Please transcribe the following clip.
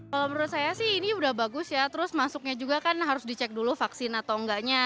kalau menurut saya sih ini udah bagus ya terus masuknya juga kan harus dicek dulu vaksin atau enggaknya